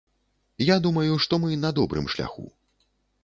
Я думаю, што мы на добрым шляху.